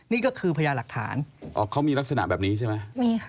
นี่ก็คือพญาหลักฐานอ๋อเขามีลักษณะแบบนี้ใช่ไหมมีค่ะ